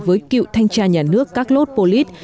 với cựu thanh tra nhà nước carlos polis